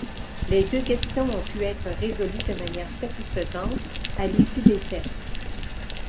Les deux questions ont pu être résolues de manière satisfaisante à l'issue des tests.